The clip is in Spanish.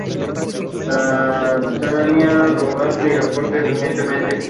Dulzaina, redoblante y acordeón recientemente.